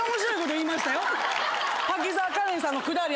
滝沢カレンさんのくだり